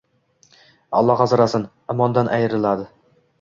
Alloh asrasin, imondan ayriladi.